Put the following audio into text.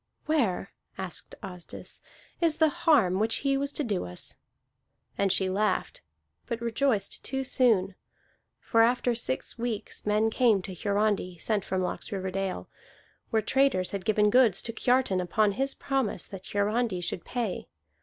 "Where," asked Asdis, "is the harm which he was to do us?" And she laughed, but rejoiced too soon. For after six weeks men came to Hiarandi, sent from Laxriverdale, where traders had given goods to Kiartan upon his promise that Hiarandi should pay.